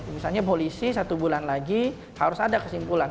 misalnya polisi satu bulan lagi harus ada kesimpulan